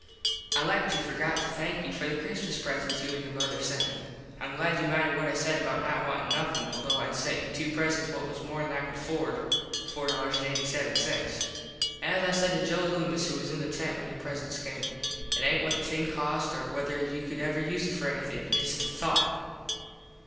I like to forgot to thank you for the Christmas presents you an your mother sent. Im glad you minded what I said about not wantin nothin although Id sent you two presents what was worth more than I could afford ($4.87). As I said to Joe Loomis who was in the tent when your presents came, it aint what the thing cost or wether you could ever use it for anything. Its the thought.